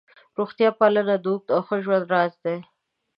روغتیا پالنه د اوږد او ښه ژوند راز دی.